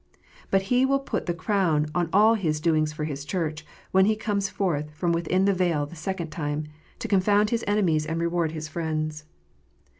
But He will put the crown on all His doings for His Church, when He comes forth from within the veil the second time, to confound His enemies and reward His friends.